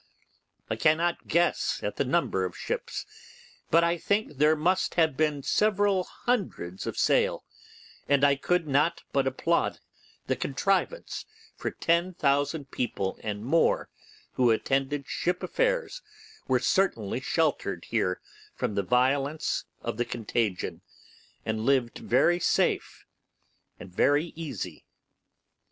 I cannot guess at the number of ships, but I think there must be several hundreds of sail; and I could not but applaud the contrivance: for ten thousand people and more who attended ship affairs were certainly sheltered here from the violence of the contagion, and lived very safe and very easy.